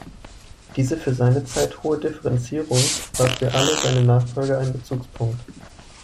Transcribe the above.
Diese für seine Zeit hohe Differenzierung war für alle seine Nachfolger ein Bezugspunkt.